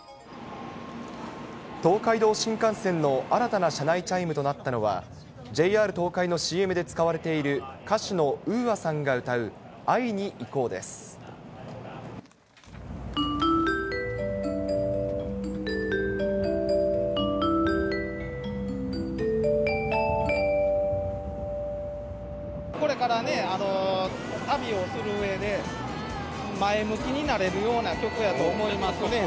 東海道新幹線の新たな車内チャイムとなったのは、ＪＲ東海のＣＭで使われている、歌手のＵＡさんが歌う会いにいここれからね、旅をするうえで、前向きになれるような曲やと思いますね。